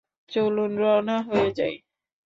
চলুন, রওনা হয়ে যাই।